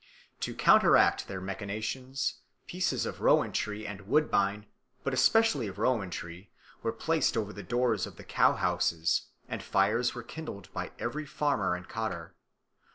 To counteract their machinations, pieces of rowan tree and woodbine, but especially of rowan tree, were placed over the doors of the cow houses, and fires were kindled by every farmer and cottar.